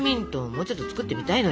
もうちょっと作ってみたいのよ。